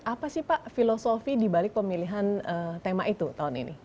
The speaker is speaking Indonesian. apa sih pak filosofi dibalik pemilihan tema itu tahun ini